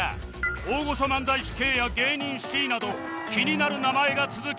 大御所漫才師 Ｋ や芸人 Ｃ など気になる名前が続きます